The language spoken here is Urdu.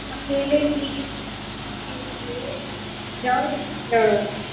اکیلے ہی اس کیلئے جنگ لڑو